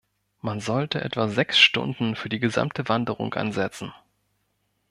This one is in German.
Man sollte etwa sechs Stunden für die gesamte Wanderung ansetzen.